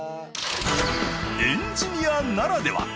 エンジニアならでは。